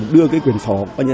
đưa quyền sổ